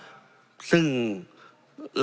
เพราะฉะนั้นโทษเหล่านี้มีทั้งสิ่งที่ผิดกฎหมายใหญ่นะครับ